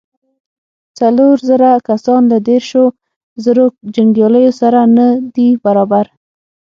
څلور زره کسان له دېرشو زرو جنګياليو سره نه دې برابر.